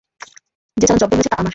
যে চালান জব্দ হয়েছে তা আমার।